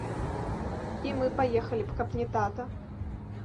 І мы паехалі б, каб не тата.